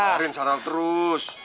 kamarin saral terus